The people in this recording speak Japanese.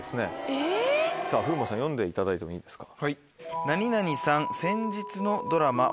えぇ？風磨さん読んでいただいてもいいですか？